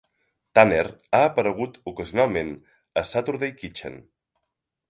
Tanner ha aparegut ocasionalment a "Saturday Kitchen".